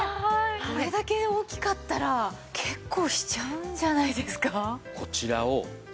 これだけ大きかったら結構しちゃうんじゃないですか？